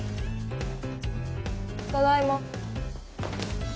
ただいま。